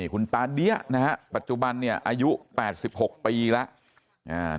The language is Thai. คุณตาเดี้ยนะครับปัจจุบันอายุ๘๖ปีแล้ว